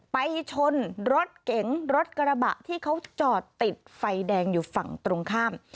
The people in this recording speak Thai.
ไปชนรถเก๋งรถกระบะที่เขาจอดติดไฟแดงอยู่ฝั่งตรงข้าม